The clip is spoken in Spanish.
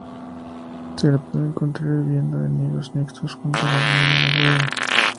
Se le puede encontrar viviendo en nidos mixtos junto a hormiga de fuego